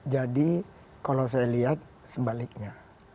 jadi kalau saya lihat sebaliknya